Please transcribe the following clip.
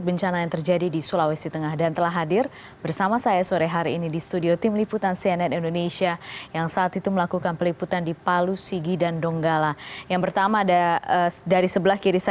bencana gempa bumi dan tsunami